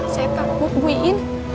saya takut bu iin